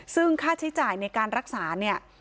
ซึ่งค่าใช้จ่ายในการรักษาเนี่ย